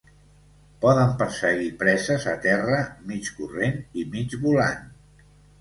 Poden perseguir preses a terra mig corrent i mig volant.